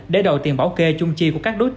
để trục lợi